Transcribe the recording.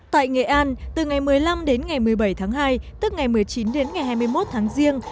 tại nghệ an từ ngày một mươi năm đến ngày một mươi bảy tháng hai tức ngày một mươi chín đến ngày hai mươi một tháng riêng